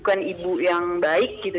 bukan ibu yang baik gitu